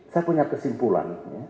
saya punya kesimpulan